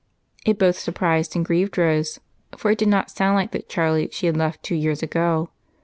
It both surprised and grieved Rose, for it did not sound like the Charlie she had left two years ago.